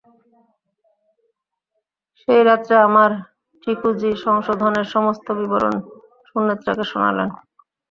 সেই রাত্রে আমার ঠিকুজি সংশোধনের সমস্ত বিবরণ সুনেত্রাকে শোনালাম।